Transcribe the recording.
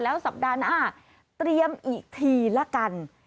แล้วสัปดาห์หน้าเตรียมอีกทีแล้วกัน